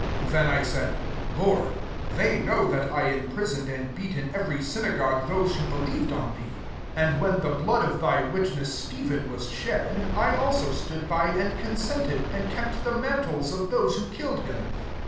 19 Then I said, < Lord, they know that I imprisoned, and beat in every synagogue, those who believed on thee. 20 And when ^M ACTS XXIII. the 4^ood of thjr witoess [Ste phen] wms shed, 1 also stood by, and consented, and kept the mantles of those who killed him.?